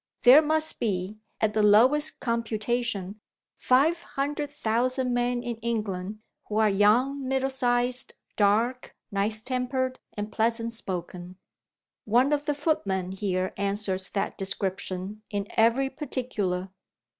There must be, at the lowest computation, five hundred thousand men in England who are young, middle sized, dark, nice tempered, and pleasant spoken. One of the footmen here answers that description in every particular."